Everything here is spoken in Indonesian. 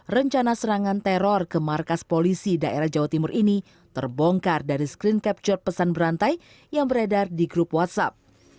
rencana serangan teror ke markas polisi daerah jawa timur ini terbongkar dari screen capture pesan berantai yang beredar di grup whatsapp